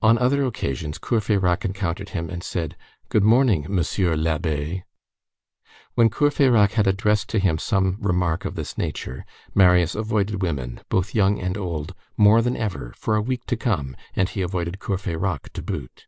On other occasions, Courfeyrac encountered him and said:—"Good morning, Monsieur l'Abbé!" When Courfeyrac had addressed to him some remark of this nature, Marius avoided women, both young and old, more than ever for a week to come, and he avoided Courfeyrac to boot.